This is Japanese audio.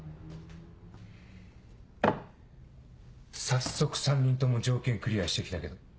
早速３人とも条件クリアして来たけど。